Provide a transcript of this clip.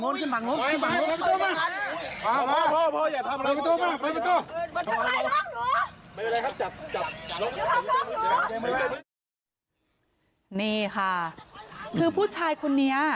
นี่ค่ะคือผู้ชายคนนี้